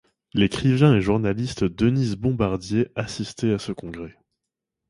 L'écrivaine et journaliste Denise Bombardier assistait à ce congrès.